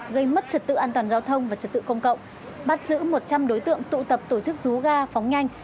gây mất trật tự an toàn giao thông và trật tự công cộng bắt giữ một trăm linh đối tượng tụ tập tổ chức rú ga phóng nhanh